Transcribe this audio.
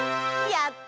やった！